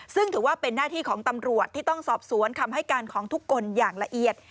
ซึ่งถือว่าเป็นหน้าที่ของตำรวจที่ต้องสอบสวนคำให้การของทุกคนอย่างละเอียด